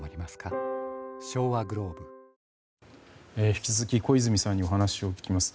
引き続き小泉さんにお話を聞きます。